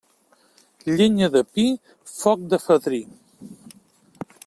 Llenya de pi, foc de fadrí.